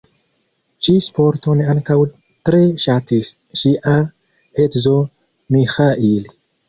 Ĉi-sporton ankaŭ tre ŝatis ŝia edzo Miĥail.